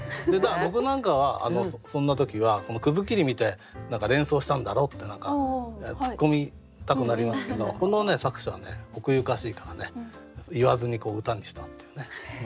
僕なんかはそんな時は切り見て連想したんだろってツッコミたくなりますけどこの作者は奥ゆかしいからね言わずに歌にしたっていうね。